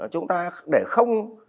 chúng ta để không